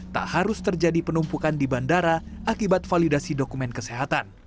terjadi penumpukan di bandara akibat validasi dokumen kesehatan